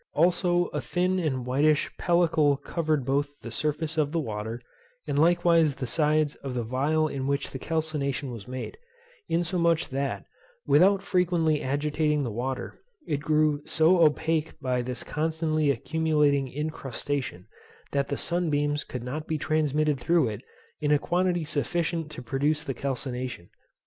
Also a thin and whitish pellicle covered both the surface of the water, and likewise the sides of the phial in which the calcination was made; insomuch that, without frequently agitating the water, it grew so opaque by this constantly accumulating incrustation, that the sun beams could not be transmitted through it in a quantity sufficient to produce the calcination.